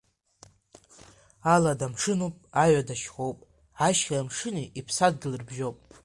Алада мшынуп, аҩада шьхоуп, Ашьхеи амшыни иԥсадгьыл рыбжьоуп.